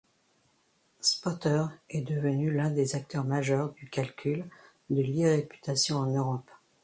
Spotter est devenu l'un des acteurs majeurs du calcul de l'E-réputation en Europe.